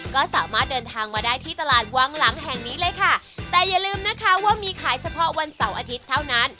ก็สามารถเดินทางมาได้ที่ตลาดวังหลังแห่งนี้เลยค่ะแต่อย่าลืมนะคะว่ามีขายเฉพาะวันเสาร์อาทิตย์เท่านั้น